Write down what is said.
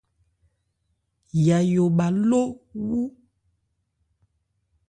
Yayó bha ló wu.